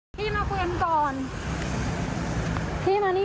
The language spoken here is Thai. ช่วยสำเร็จให้ดี